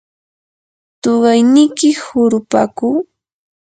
¿tuqayniki hurupaku?